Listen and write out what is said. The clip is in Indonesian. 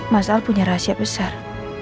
mas al punya rahasia besar